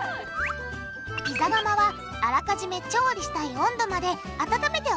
ピザ窯はあらかじめ調理したい温度まで温めておくんだ。